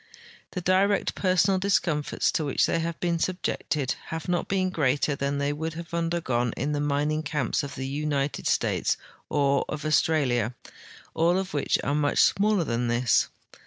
The direct personal discomforts to which theyvhave been subjected have not been greater than the}" would have undergone in the mining camps of the IJnited States or of Australia, all of Avhich are much smaller than this.